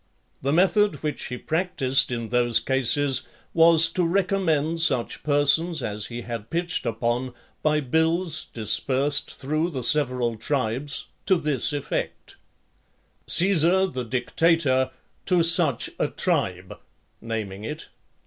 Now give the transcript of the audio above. The method which he practised in those cases was, to recommend such persons as he had pitched upon, by bills dispersed through the several tribes to this effect: "Caesar the dictator to such a tribe (naming it).